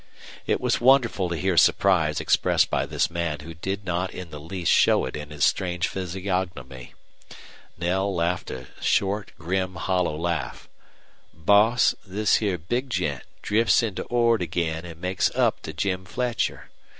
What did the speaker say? It was wonderful to hear surprise expressed by this man that did not in the least show it in his strange physiognomy. Knell laughed a short, grim, hollow laugh. "Boss, this here big gent drifts into Ord again an' makes up to Jim Fletcher.